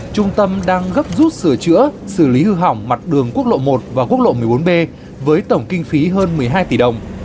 trung tâm đang gấp rút sửa chữa xử lý hư hỏng mặt đường quốc lộ một và quốc lộ một mươi bốn b với tổng kinh phí hơn một mươi hai tỷ đồng